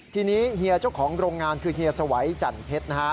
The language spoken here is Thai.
ทีนี้เฮียเจ้าของโรงงานคือเฮียสวัยจันเพชรนะฮะ